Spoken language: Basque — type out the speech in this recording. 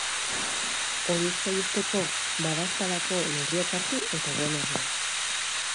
Horiek saihesteko, badaezpadako neurriak hartu eta egon erne.